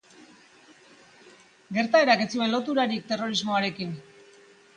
Gertaerak ez zuen loturarik terrorismoarekin.